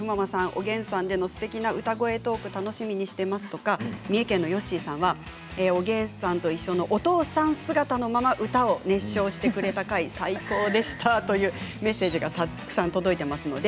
おげんさんでのすてきな歌声を楽しみにしていますと三重県の方から「おげんさんといっしょ」のお父さん姿のまま歌を熱唱してくれた回、最高でしたとメッセージがたくさん届いています。